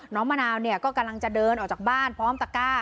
น้องมะนาวก็กำลังจะเดินออกจากบ้านพร้อมตะกร้า